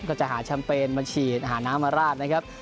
ก็จะหาแชมเปญมาฉีดหาน้ำมาราดนะครับ